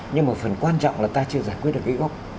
nhưng mà phần quan trọng là ta chưa giải quyết được cái gốc